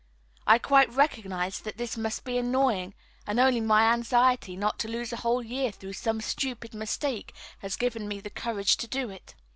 I quite recognise that this must be annoying, and only my anxiety not to lose a whole year through some stupid mistake has given me the courage to do it.